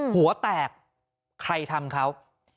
หัวแตกใครทำเขา